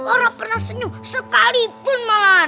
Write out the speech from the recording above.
orang pernah senyum sekalipun malah